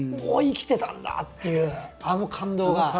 「おっ生きてたんだ！」っていうあの感動が。